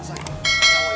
assalamualaikum mar assemban